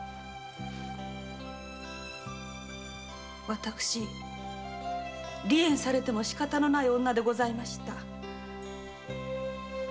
私離縁されてもしかたのない女でございました。